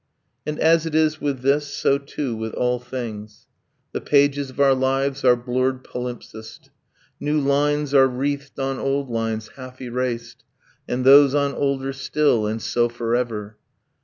And, as it is with this, so too with all things. The pages of our lives are blurred palimpsest: New lines are wreathed on old lines half erased, And those on older still; and so forever.